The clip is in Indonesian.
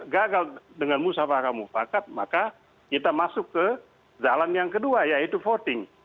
gagal dengan musawarah mufakat maka kita masuk ke jalan yang kedua yaitu voting